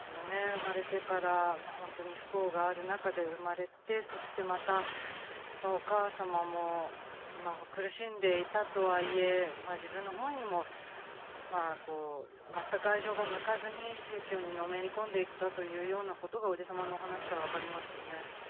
生まれてから本当に不幸がある中で生まれて、そしてまた、お母様も苦しんでいたとはいえ、自分のほうにも、全く愛情が向かずに、宗教にのめり込んでいったというようなことが、伯父様のお話から分かりますよね。